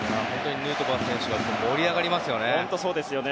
ヌートバー選手は盛り上がりますよね。